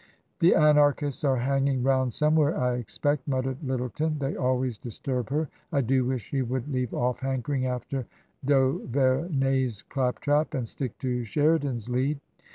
185 "The Anarchists are hanging round somewhere, I expect," muttered Lyttleton ;" they always disturb her. I do wish she would leave off hankering after d'Auver ney's clap trap and stick to Sheridan's lead."